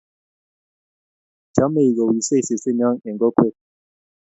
chomei kowisei sesenyo eng' kokwet